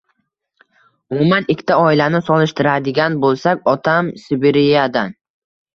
Umuman ikkita oilani solishtiradigan boʻlsak, otam Sibiriyadan.